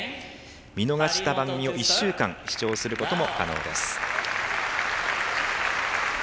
見逃した番組を１週間視聴することも可能です。